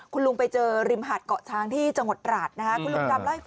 คุณลุงไปเจอริมหาดเกาะช้างที่จังหวัดตราดนะครับ